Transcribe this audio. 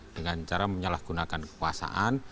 dengan cara menyalahgunakan kekuasaan